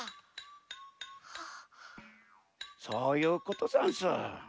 そういうことざんす。